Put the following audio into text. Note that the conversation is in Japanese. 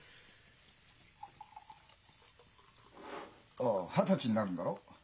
ああ二十歳になるんだろう？